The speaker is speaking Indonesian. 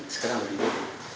sekarang lebih pendek